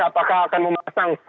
apakah akan memasang